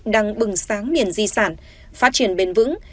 đang bừng sáng miền di sản phát triển bền vững